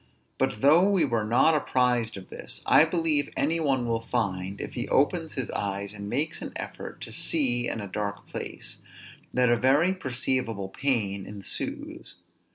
But though we were not apprised of this, I believe any one will find, if he opens his eyes and makes an effort to see in a dark place, that a very perceivable pain ensues.